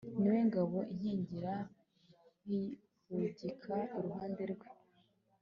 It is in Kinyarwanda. ni we ngabo inkingira, nkihugika iruhande rwe